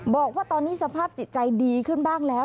บอกว่าตอนนี้สภาพจิตใจดีขึ้นบ้างแล้ว